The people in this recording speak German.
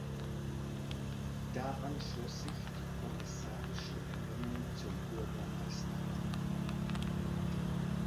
Daran schloss sich die kommissarische Ernennung zum Bürgermeister an.